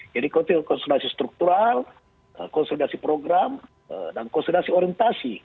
jadi konsolidasi struktural konsolidasi program dan konsolidasi orientasi